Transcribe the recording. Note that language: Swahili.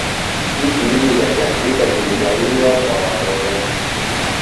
nchi nyingi za kiafrika ziligawiwa kwa wakoloni